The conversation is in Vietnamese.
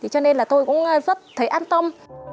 cho nên là tôi cũng rất thấy an tâm